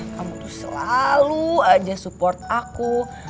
kamu tuh selalu aja support aku